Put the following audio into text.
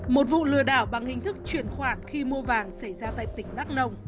một vụ lừa đảo bằng hình thức chuyển khoản khi mua vàng xảy ra tại tỉnh đắk nông